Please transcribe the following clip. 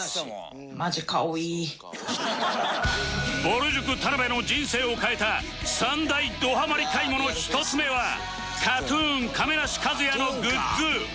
ぼる塾田辺の人生を変えた３大どハマり買い物１つ目は ＫＡＴ−ＴＵＮ 亀梨和也のグッズ